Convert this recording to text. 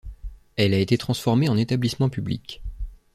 Elle a été transformée en établissement public.